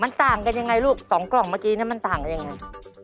มันต่างกันยังไงลูกสองกล่องเมื่อกี้มันต่างกันยังไง